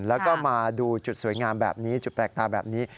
แล้วก็มาดูจุดสวยงามแบบนี้จุดแปลกตาแบบนี้